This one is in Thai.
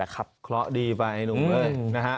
เคราะห์ดีไปนุ้งเมื่อย